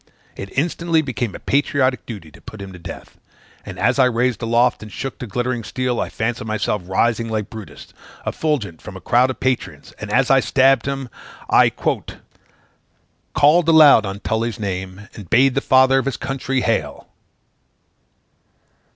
It instantly became a patriotic duty to put him to death; and as I raised aloft and shook the glittering steel, I fancied myself rising like Brutus, effulgent from a crowd of patriots, and, as I stabbed him, I "called aloud on Tully's name, And bade the father of his country hail!"